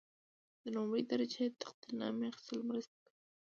د لومړۍ درجې تقدیرنامې اخیستل مرسته کوي.